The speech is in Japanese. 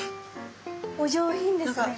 お上品ですね。